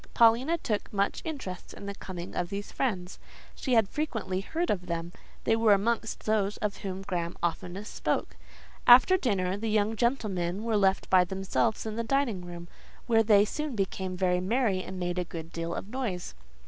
Paulina took much interest in the coming of these friends; she had frequently heard of them; they were amongst those of whom Graham oftenest spoke. After dinner, the young gentlemen were left by themselves in the dining room, where they soon became very merry and made a good deal of noise.